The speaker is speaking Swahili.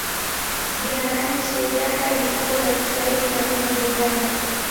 Jina la nchi Uganda ni umbo la Kiswahili la neno Buganda.